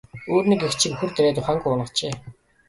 Өөр нэг эгчийг үхэр дайраад ухаангүй унагажээ.